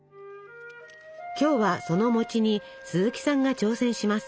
今日はそのに鈴木さんが挑戦します。